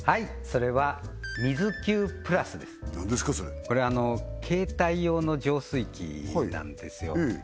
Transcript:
それこれ携帯用の浄水器なんですよ